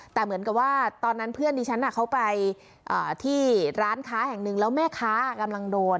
แต่เหมือนกับว่าตอนนั้นเพื่อนดิฉันเขาไปที่ร้านค้าแห่งหนึ่งแล้วแม่ค้ากำลังโดน